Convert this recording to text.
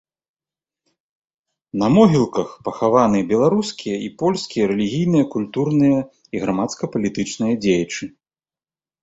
На могілках пахаваны беларускія і польскія рэлігійныя, культурныя і грамадска-палітычныя дзеячы.